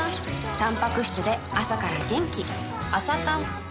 たんぱく質で朝から元気